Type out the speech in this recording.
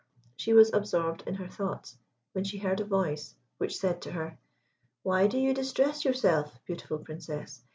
She was absorbed in her thoughts, when she heard a voice, which said to her, "Why do you distress yourself, beautiful Princess?